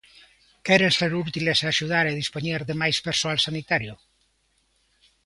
¿Queren ser útiles e axudar a dispoñer de máis persoal sanitario?